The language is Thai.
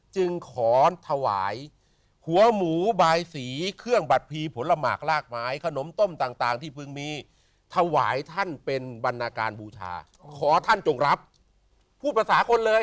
จึงขอถวายหัวหมูบายสีเครื่องบัตรพีผลหมากลากไม้ขนมต้มต่างที่เพิ่งมีถวายท่านเป็นบรรณาการบูชาขอท่านจงรับพูดภาษาคนเลย